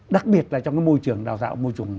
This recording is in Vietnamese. đặc biệt là trong cái môi trường đào tạo môi trường